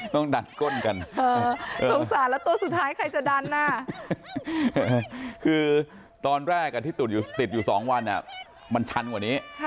ดัดก้นกันสงสารแล้วตัวสุดท้ายใครจะดันอ่ะคือตอนแรกที่ติดอยู่๒วันมันชันกว่านี้